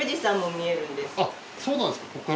あっそうなんですか？